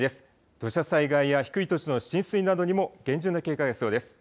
土砂災害や低い土地の浸水などにも厳重な警戒が必要です。